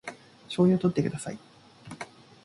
醤油をとってください